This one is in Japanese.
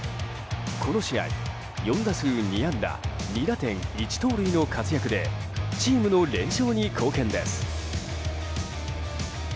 この試合、４打数２安打２打点１盗塁の活躍でチームの連勝に貢献です。